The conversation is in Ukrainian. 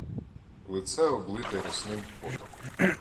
Лице облите рясним потом.